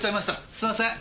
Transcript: すいません。